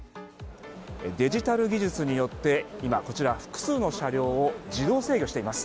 デジタル技術によって今、複数の車両を自動制御しています。